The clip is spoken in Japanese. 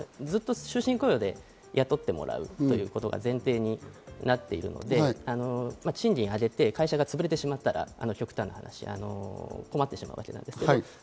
終身雇用でずっと雇ってもらうということが前提になっているので、賃金を上げて会社がつぶれてしまったら極端な話、困ってしまうわけです。